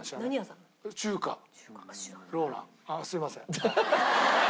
あっすいません。